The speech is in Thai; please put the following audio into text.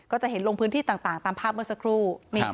ก็จะเห็นลงพื้นที่ต่างตามภาพเมื่อสักครู่